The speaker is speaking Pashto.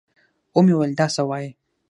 ومې ويل دا څه وايې.